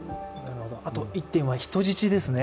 あと１点、人質ですね。